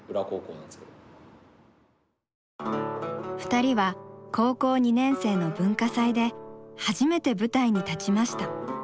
２人は高校２年生の文化祭で初めて舞台に立ちました。